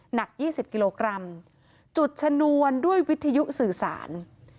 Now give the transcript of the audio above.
หนัก๒๐กิโลกรัมจุดชนวนด้วยวิทยุสื่อสาร